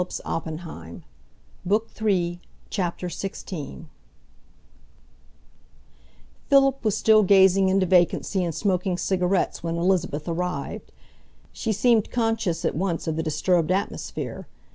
CHAPTER XVI Philip was still gazing into vacancy and smoking cigarettes when Elizabeth arrived. She seemed conscious at once of the disturbed atmosphere.